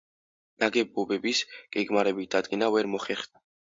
ნაგებობების გეგმარებით დადგენა ვერ მოხერხდა.